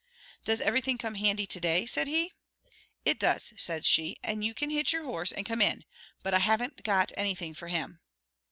"Does everything come handy to day?" said he. "It does," said she, "and you can hitch your horse and come in; but I haven't got anything for him."